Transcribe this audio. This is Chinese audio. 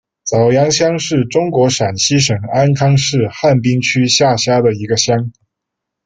早阳乡是中国陕西省安康市汉滨区下辖的一个乡。